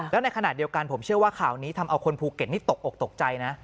แล้วในขณะเดียวกันผมเชื่อว่าข่าวนี้ทำเอาคนภูเก็ตนี่ตกอกตกใจนะ